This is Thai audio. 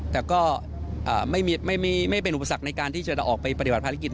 แต่ก็ไม่เป็นอุปสรรคในการที่จะออกไปปฏิบัติภารกิจ